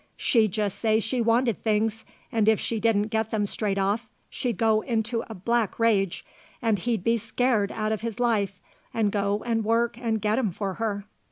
She'd just say she wanted things and if she didn't get them straight off she'd go into a black rage, and he'd be scared out of his life and go and work and get 'em for her.